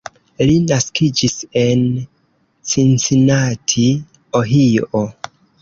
Li naskiĝis en Cincinnati, Ohio.